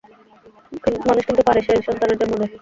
মানুষ কিন্তু পারে, সে সন্তানের জন্ম দেয়।